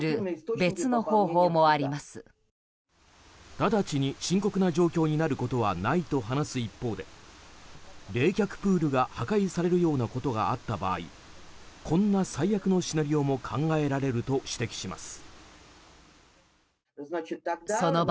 直ちに深刻な状況になることはないと話す一方で冷却プールが破壊されるようなことがあった場合こんな最悪のシナリオも考えられると指摘します。